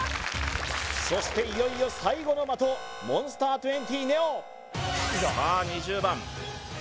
いよいよ最後の的モンスター２０ＮＥＯさあ２０番